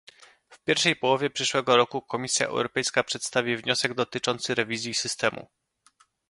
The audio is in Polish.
W pierwszej połowie przyszłego roku Komisja Europejska przedstawi wniosek dotyczący rewizji systemu